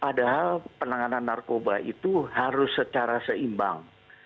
padahal penanganan narkoba itu harus secara seimbang